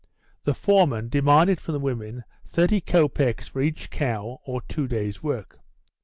The foreman demanded from the women 30 copecks for each cow or two days' work.